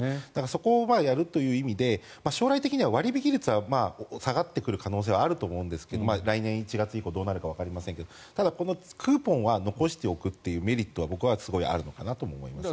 そこをやるという意味で将来的には割引率は下がってくる可能性はあると思いますが来年１月以降どうなるかわかりませんがただクーポンは残しておくというメリットは僕はすごいあるのかなと思います。